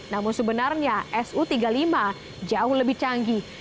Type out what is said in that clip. namun sebenarnya su tiga puluh lima jauh lebih canggih